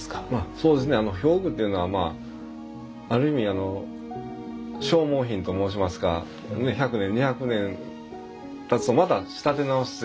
そうですね表具というのはある意味消耗品と申しますか１００年２００年たつとまた仕立て直して。